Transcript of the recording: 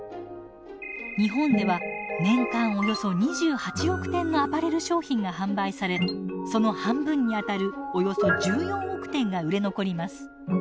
日本では年間およそ２８億点のアパレル商品が販売されその半分にあたるおよそ１４億点が売れ残ります。